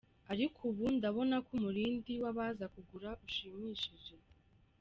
Ariko ubu ndabona ko umurindi w'abaza kugura ushimishije.